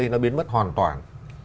nó biến mất hoàn toàn